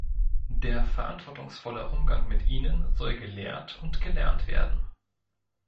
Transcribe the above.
Der verantwortungsvolle Umgang mit ihnen soll gelehrt und gelernt werden.